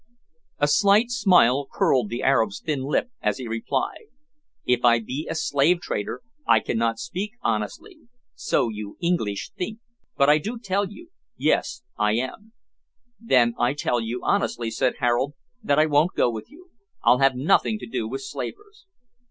A slight smile curled the Arab's thin lip as he replied "If I be a slave trader, I cannot speak honestly, so you Engleesh think. But I do tell you yes, I am." "Then, I tell you honestly," said Harold, "that I won't go with you. I'll have nothing to do with slavers."